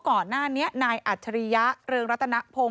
ก่อนหน้านี้นายอัจฉริยะเรืองรัตนพงศ